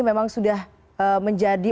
memang sudah menjadi